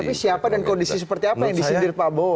tapi siapa dan kondisi seperti apa yang disindir pak bowo